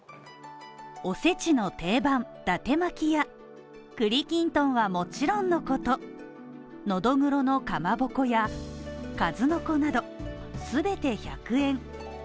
おせちの定番、伊達巻や栗きんとんはもちろんのこと、のどぐろのかまぼこや数の子など全て１００円